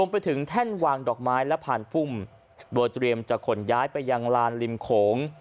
ไปถึงแท่นวางดอกไม้และผ่านพุ่มโดยเตรียมจะขนย้ายไปยังลานริมโขง